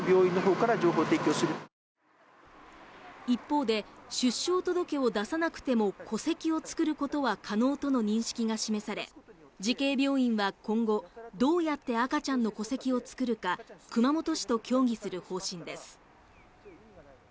一方で出生届を出さなくても戸籍を作ることは可能との認識が示され慈恵病院は今後どうやって赤ちゃんの戸籍を作るか熊本市と協議する方針です